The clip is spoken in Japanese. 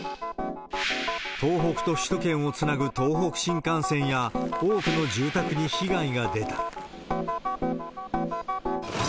東北と首都圏をつなぐ東北新幹線や多くの住宅に被害が出た。